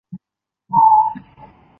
殳部通常从右方为部字。